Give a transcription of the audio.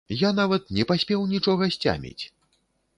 Я нават не паспеў нічога сцяміць!